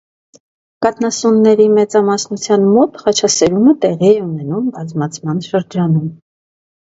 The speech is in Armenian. Կաթնասունների մեծամասնության մոտ խաչասերումը տեղի է ունենում բազմացման շրջանում։